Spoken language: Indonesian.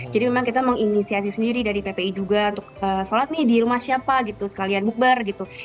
jadi memang kita menginisiasi sendiri dari ppi juga untuk solat nih di rumah siapa gitu sekalian bukbar gitu